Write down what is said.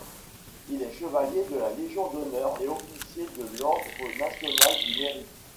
Il est chevalier de la Légion d'honneur et officier de l'Ordre national du Mérite.